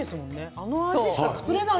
あの味しか作れない。